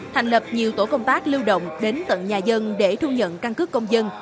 thành lập nhiều tổ công tác lưu động đến tận nhà dân để thu nhận căn cứ công dân